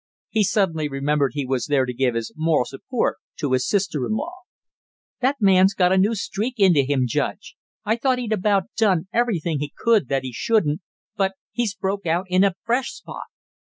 He suddenly remembered he was there to give his moral support to his sister in law. "That man's got a new streak into him, Judge. I thought he'd about done everything he could do that he shouldn't, but he's broke out in a fresh spot!"